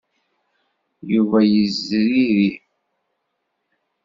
Yuba yezriri.